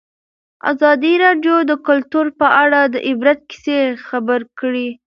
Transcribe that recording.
ازادي راډیو د کلتور په اړه د عبرت کیسې خبر کړي.